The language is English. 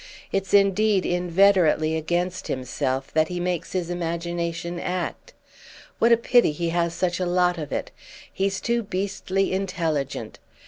It's indeed inveterately against himself that he makes his imagination act. What a pity he has such a lot of it! He's too beastly intelligent.